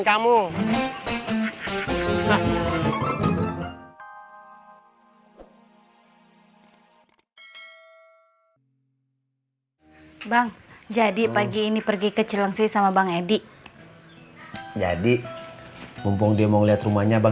kamu bang jadi pagi ini pergi ke cilengsi sama bang edi jadi mumpung dia mau lihat rumahnya bang